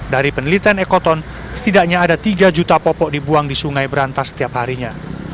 dari penelitian ekoton setidaknya ada tiga juta popok dibuang di sungai berantas setiap harinya